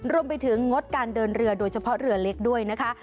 รวมไปถึงงดการเดินเรือโดยเฉพาะเรือเล็กด้วยนะคะ